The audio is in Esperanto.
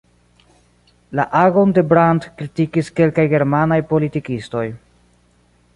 La agon de Brandt kritikis kelkaj germanaj politikistoj.